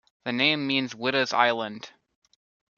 The name means "Witta's island".